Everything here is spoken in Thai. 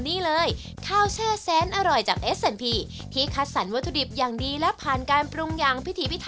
เฮ้ยเดี๋ยวขอบคุณดีนะส่วนแม่